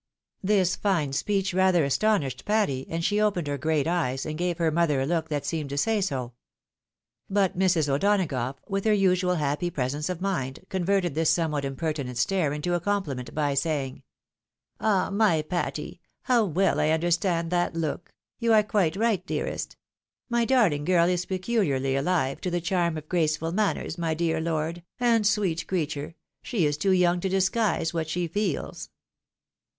This fine speech rather astonished Patty, and she opened her great eyes, and gave her mother a look that seemed to say so. But Mrs. O'Donagough, with her usual happy presence of mind, converted this somewhat impertinent stare into a comph ment, by saying — "Ah, my Patty ! How well I understand that look ! you are quite right, dearest ! My darling girl is peculiarly aUve to the charm of graceful manners, my dear lord; and, sweet creature I she is too young to disguise what she feels."